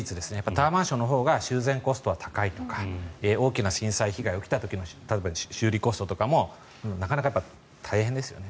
タワーマンションのほうが修繕コストは高いとか大きな震災被害が起きた時の修理コストとかもなかなか大変ですよね。